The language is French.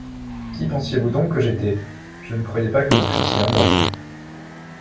Qui pensiez-vous donc que j'étais ? Je ne croyais pas que vous fussiez un homme.